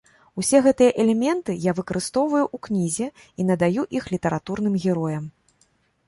Усе гэтыя элементы я выкарыстоўваю ў кнізе і надаю іх літаратурным героям.